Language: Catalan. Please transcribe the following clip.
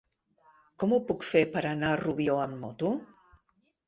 Com ho puc fer per anar a Rubió amb moto?